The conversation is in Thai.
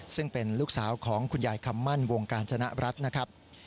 ซึ่งเป็นลูกสาวของคุณยายคำมั่นวงการจนรัฐนะครับ